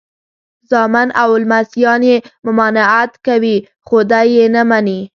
زامن او لمسیان یې ممانعت کوي خو دی یې نه مني.